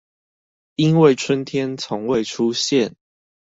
因為春天從未出現